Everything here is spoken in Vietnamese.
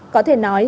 có thể nói